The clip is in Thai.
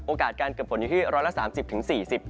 โอกาสการเกิดผลอยู่ที่๑๓๐๔๐องศา